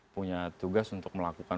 punya tugas untuk melakukan